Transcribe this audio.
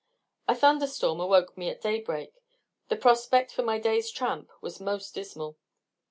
A thunderstorm awoke me at day break; the prospect for my day's tramp was most dismal.